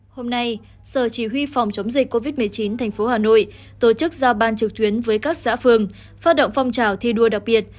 hôm nay sở chỉ huy phòng chống dịch covid một mươi chín thành phố hà nội tổ chức giao ban trực tuyến với các xã phường phát động phong trào thi đua đặc biệt